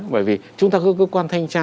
bởi vì chúng ta có cơ quan thanh tra